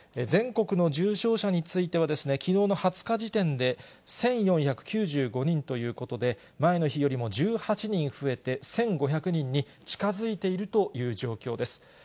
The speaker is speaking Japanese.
全国の重症者については、きのうの２０日時点で１４９５人ということで、前の日よりも１８人増えて、１５００人に近づいているという状況です。